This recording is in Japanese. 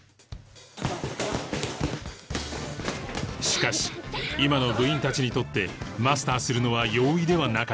しかし今の部員たちにとってマスターするのは容易ではなかった